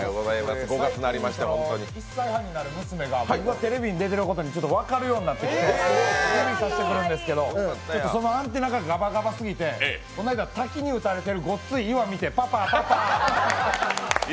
１歳半になる娘がテレビに出てる「僕のこと」が分かるようになってきて指さしてくるんですけどそのアンテナがガバガバすぎて、この間、滝に打たれているごっつい岩見て、パパ、パパ。